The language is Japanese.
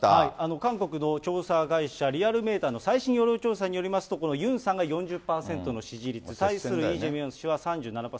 韓国の調査会社、リアルメーターの最新世論調査によりますと、このユンさんが４０％の支持率、対するイ・ジェミョン氏は３７％。